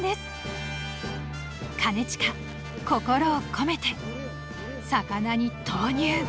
［兼近心を込めて魚に投入］